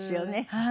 はい。